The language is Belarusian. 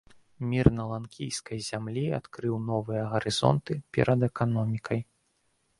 Мір на ланкійскай зямлі адкрыў новыя гарызонты перад эканомікай.